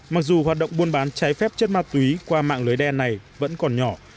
mặc dù hoạt động buôn bán trái phép chất ma túy qua mạng lưới đen này vẫn còn nhỏ